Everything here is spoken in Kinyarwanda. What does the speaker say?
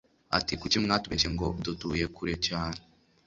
ati kuki mwatubeshye ngo 'dutuye kure cyane'